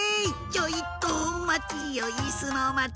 「ちょいとおまちよいすのまち」